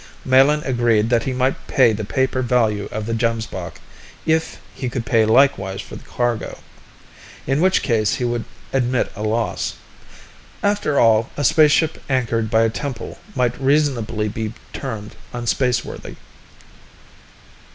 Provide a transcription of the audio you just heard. Melin agreed that he might pay the paper value of the Gemsbok if he could pay likewise for the cargo, in which case he would admit a loss. After all, a spaceship anchored by a temple might reasonably be termed unspaceworthy.